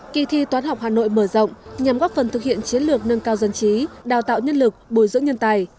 kỳ thi toán học hà nội mở rộng nhằm góp phần thực hiện chiến lược nâng cao dân trí đào tạo nhân lực bồi dưỡng nhân tài